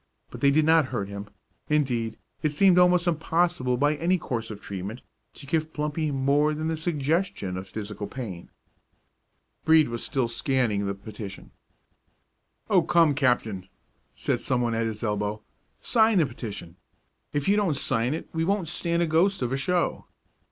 But they did not hurt him. Indeed, it seemed almost impossible by any course of treatment to give Plumpy more than the suggestion of physical pain. Brede was still scanning the petition. "Oh, come, captain!" said some one at his elbow, "sign the petition. If you don't sign it we won't stand a ghost of a show."